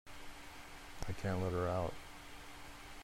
I can't let her out.